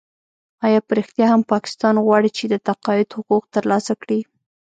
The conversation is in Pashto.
آیا په رښتیا هم پاکستان غواړي چې د تقاعد حقوق ترلاسه کړي؟